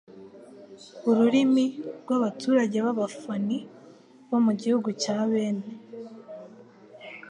ururimi rw'abaturage b'Abafoni bo mu gihugu cya Bene